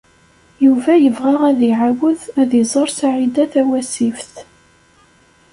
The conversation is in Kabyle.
Yuba yebɣa ad iɛawed ad iẓer Saɛida Tawasift.